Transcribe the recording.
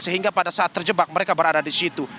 sehingga pada saat terjebak mereka berada di situ